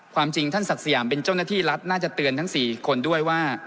ความจริงท่านศักดิ์สยามเป็นเจ้าหน้าที่รัฐน่าจะเตือนทั้ง๔คนด้วยว่า